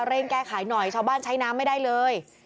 แก้ไขหน่อยชาวบ้านใช้น้ำไม่ได้เลย